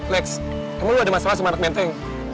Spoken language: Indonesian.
lex kamu ada masalah sama anak menteng